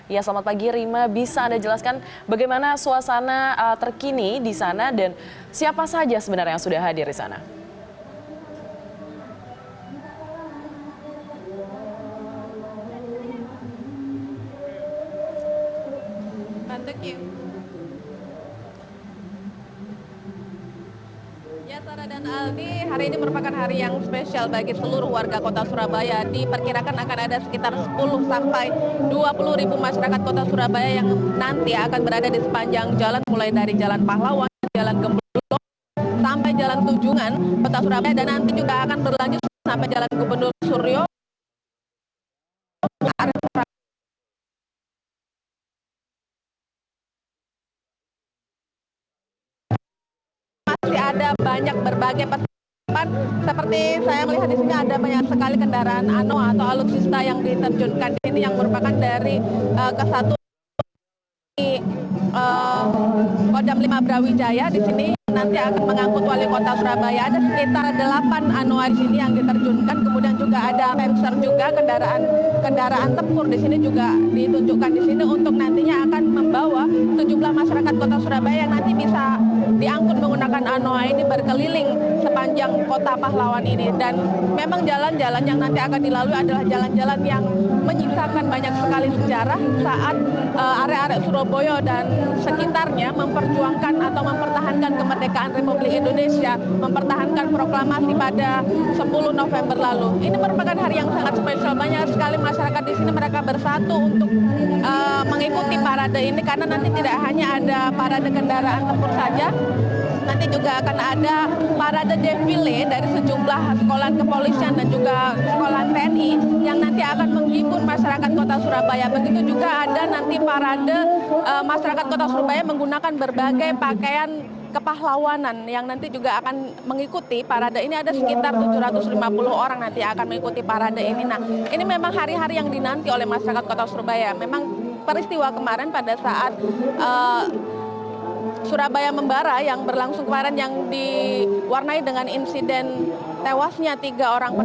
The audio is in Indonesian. ya selamat pagi rima bisa anda jelaskan bagaimana suasana terkini di sana dan siapa saja sebenarnya yang sudah hadir di sana